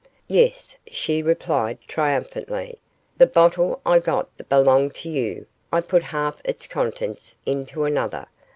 'Yes,' she replied, triumphantly; 'the bottle I got that belonged to you, I put half its contents into another.